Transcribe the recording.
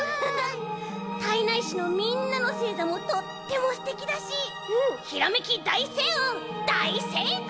胎内市のみんなのせいざもとってもすてきだしひらめきだいせいうんだいせいこう！